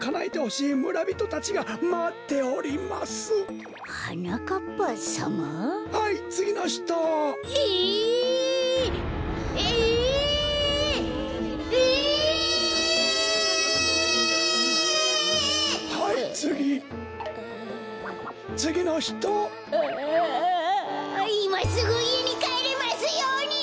いますぐいえにかえれますように！